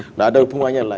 nggak ada hubungannya lah